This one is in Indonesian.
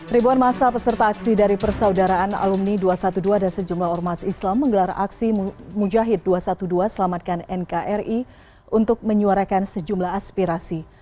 ribuan masa peserta aksi dari persaudaraan alumni dua ratus dua belas dan sejumlah ormas islam menggelar aksi mujahid dua ratus dua belas selamatkan nkri untuk menyuarakan sejumlah aspirasi